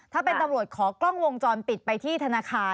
ถ้าเป็นตำรวจขอกล้องวงจรปิดไปที่ธนาคาร